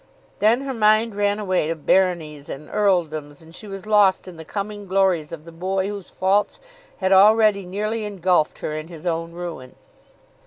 Then her mind ran away to baronies and earldoms, and she was lost in the coming glories of the boy whose faults had already nearly engulfed her in his own ruin.